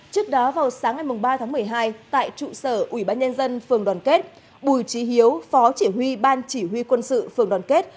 trước đó vào sáng ngày ba tháng một mươi hai tại trụ sở ubnd phường đoàn kết bùi trí hiếu phó chỉ huy ban chỉ huy quân sự phường đoàn kết